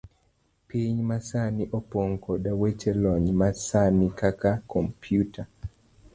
Piny masani opong' koda weche lony masani, kaka komputa.